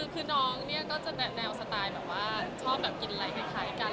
คือน้องเนี่ยก็จะแนวสไตล์แบบว่าชอบแบบกินอะไรคล้ายกัน